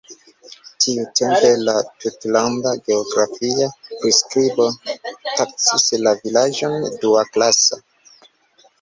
Tiutempe la tutlanda geografia priskribo taksis la vilaĝon duaklasa.